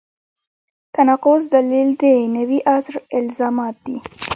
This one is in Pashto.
تناقض دلیل د نوي عصر الزامات دي.